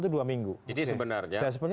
itu dua minggu jadi sebenarnya